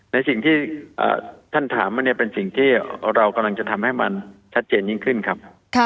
ในสิ่งที่ท่านถามมาเนี่ยเป็นสิ่งที่เรากำลังจะทำให้มันชัดเจนยิ่งขึ้นครับ